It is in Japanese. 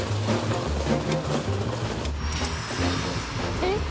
えっ！？